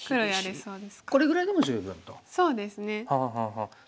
そうですね。